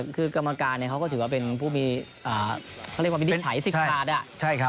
กรรมการเขาก็ถือว่าเป็นผู้มีดิจฉัยสิทธิ์ภาษา